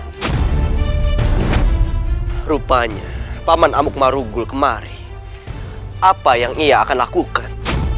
rupanya paman amuk marugul kemari apa yang ia akan lakukan